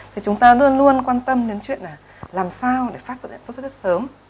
thì chúng ta luôn luôn quan tâm đến chuyện là làm sao để phát hiện sốt xuất huyết sớm